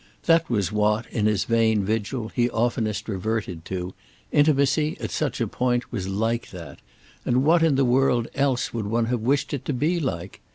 That was what, in his vain vigil, he oftenest reverted to: intimacy, at such a point, was like that—and what in the world else would one have wished it to be like?